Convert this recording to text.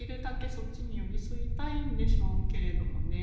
そっちに寄り添いたいんでしょうけれど。